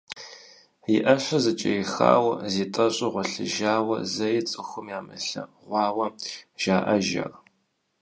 И ӏэщэ зыкӏэрихауэ, зитӏэщӏу гъуэлъыжауэ зэи цӏыхум ямылъэгъуауэ жаӏэж ар.